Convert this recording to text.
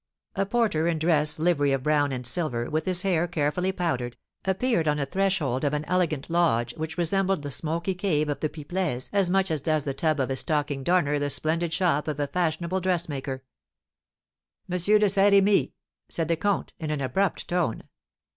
A porter in dress livery of brown and silver, with his hair carefully powdered, and dressed in silk stockings, appeared on the threshold of an elegant lodge, which resembled the smoky cave of the Pipelets as much as does the tub of a stocking darner the splendid shop of a fashionable dressmaker. "M. de Saint Remy?" said the comte, in an abrupt tone.